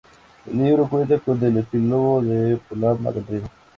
El libro cuenta con el epílogo de Paloma del Río.